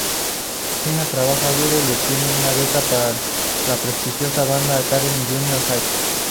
Shiina trabaja duro y obtiene una beca para la prestigiosa Banda Academy Junior High.